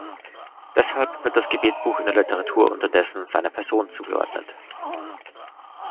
Deshalb wird das Gebetbuch in der Literatur unterdessen seiner Person zugeordnet.